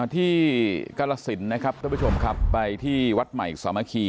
ที่กรสินนะครับท่านผู้ชมครับไปที่วัดใหม่สามัคคี